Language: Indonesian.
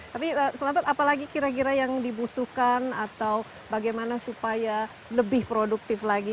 tapi selamat apalagi kira kira yang dibutuhkan atau bagaimana supaya lebih produktif lagi